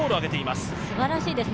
すばらしいですね。